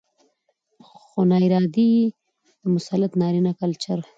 ؛ خو ناارادي يې د مسلط نارينه کلچر